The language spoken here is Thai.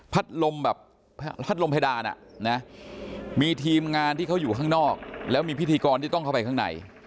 ลมแบบพัดลมเพดานมีทีมงานที่เขาอยู่ข้างนอกแล้วมีพิธีกรที่ต้องเข้าไปข้างใน